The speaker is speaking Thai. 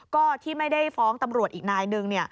ก็ที่ไม่ได้ฟ้องตำรวจอีกนายหนึ่ง